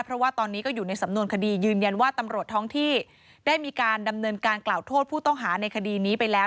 เพราะว่าตอนนี้ก็อยู่ในสำนวนคดียืนยันว่าตำรวจท้องที่ได้มีการดำเนินการกล่าวโทษผู้ต้องหาในคดีนี้ไปแล้ว